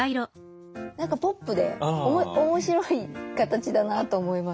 何かポップで面白い形だなと思います。